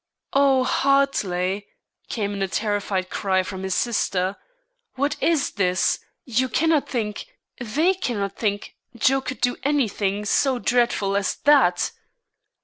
"O Hartley!" came in a terrified cry from his sister; "what is this? You cannot think, they cannot think, Joe could do any thing so dreadful as that?"